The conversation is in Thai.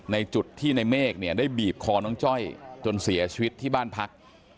ในจุดที่ในเมฆเนี่ยได้บีบคอน้องจ้อยจนเสียชีวิตที่บ้านพัก